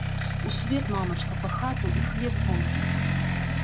У свет, мамачка, па хату і хлеб пойдзем.